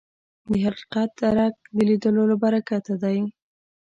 د حقیقت درک د لیدلو له برکته دی